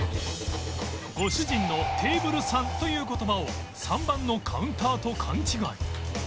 ご主人の「テーブルさん」という言葉を３番のカウンターと勘違い